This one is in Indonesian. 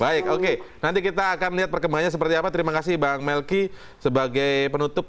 baik oke nanti kita akan lihat perkembangannya seperti apa terima kasih bang melki sebagai penutup